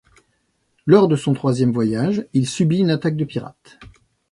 Lors de son troisième voyage, il subit une attaque de pirates.